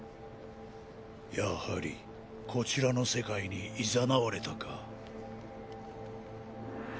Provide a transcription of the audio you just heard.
やはりこちらの世界にいざなわれたか。